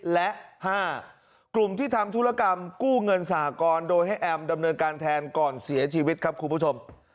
และ๕กลุ่มที่ทำธุรกรรมกู้เงินสหกรณ์โดยให้แอมดำเนินการแทนก่อนเสียชีวิตครับคุณผู้ชม